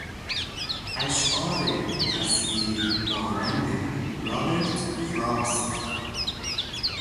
اشعار تصویر مانند رابرت فراست